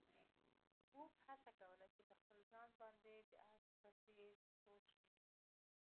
اوښ هڅه کوله چې په خپل ځان باندې د اس په څېر سپور شي.